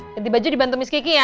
nanti baju dibantu miss kiki ya